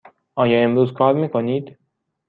آیا امروز کار می کنید؟